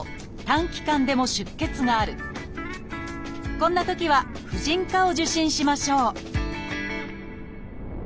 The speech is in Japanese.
こんなときは婦人科を受診しましょう